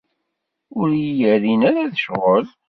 Ur yi-rrin ara d ccɣel.